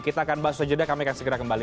kita akan bahas saja kami akan segera kembali